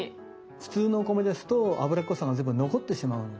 普通のお米ですと脂っこさが全部残ってしまうので。